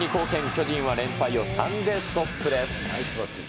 巨人は連敗を３でストップです。